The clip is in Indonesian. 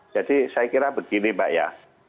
jadi saya kira begini pak ya